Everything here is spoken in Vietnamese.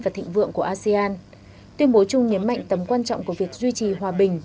và thịnh vượng của asean tuyên bố chung nhấn mạnh tầm quan trọng của việc duy trì hòa bình